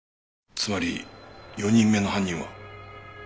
つまり４人目の犯人は。